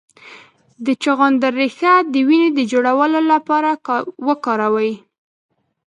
د چغندر ریښه د وینې د جوړولو لپاره وکاروئ